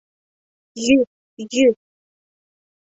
— Йӱ! йӱ!